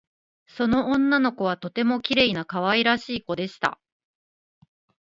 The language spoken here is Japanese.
その女の子はとてもきれいなかわいらしいこでした